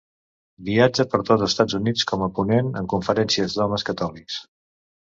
Viatja per tot Estats Units com a ponent en conferències d'homes catòlics.